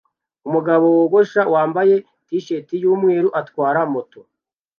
Umugabo wogosha wambaye t-shirt yumweru atwara moto